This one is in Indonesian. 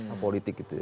apolitik gitu ya